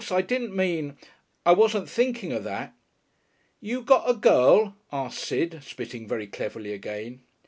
I didn't mean I wasn't thinking of that." "You got a girl?" asked Sid, spitting very cleverly again.